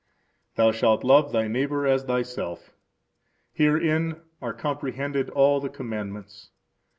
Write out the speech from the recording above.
Thou shalt love thy neighbor as thyself. Herein are comprehended all the commandments.